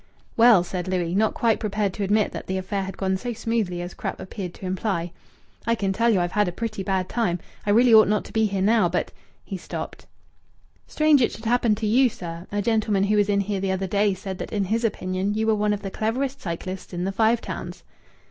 "Well," said Louis, not quite prepared to admit that the affair had gone so smoothly as Krupp appeared to imply, "I can tell you I've had a pretty bad time. I really ought not to be here now, but " He stopped. "Strange it should happen to you, sir. A gentleman who was in here the other day said that in his opinion you were one of the cleverest cyclists in the Five Towns."